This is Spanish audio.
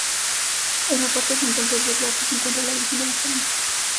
En la parte central del retablo se encuentra la Virgen de la Esperanza.